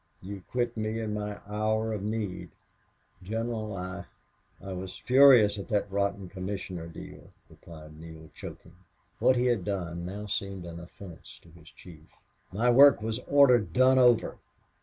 You quit me in my hour of need." "General, I I was furious at that rotten commissioner deal," replied Neale, choking. What he had done now seemed an offense to his chief. "My work was ordered done over!"